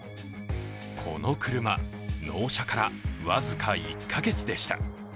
この車、納車から僅か１か月でした。